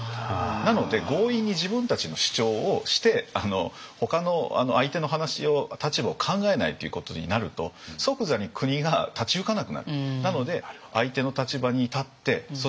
なので強引に自分たちの主張をしてほかの相手の立場を考えないということになると即座に国が立ち行かなくなる。